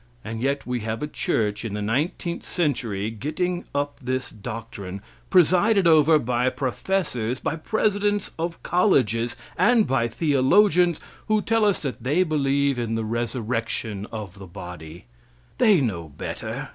And yet we have a church, in the nineteenth century, getting up this doctrine, presided over by professors, by presidents of colleges, and by theologians, who tell us that they believe in the resurrection of the body. They know better.